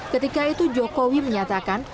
ketika itu jokowi menyatakan